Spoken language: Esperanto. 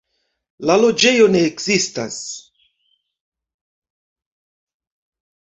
La loĝejo ne ekzistas.